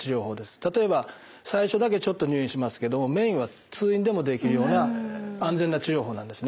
例えば最初だけちょっと入院しますけどメインは通院でもできるような安全な治療法なんですね。